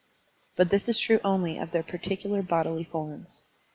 But this is true only of their particular bodily forms.